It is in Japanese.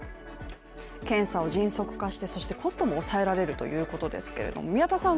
検査を迅速化してそしてコストも抑えられるということですけれども宮田さん